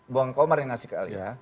buang komar yang ngasih ke alia